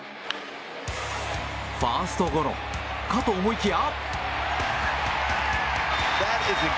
ファーストゴロかと思いきや。